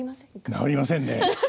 直りませんね。